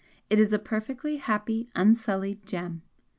It is a perfectly happy, unsullied gem!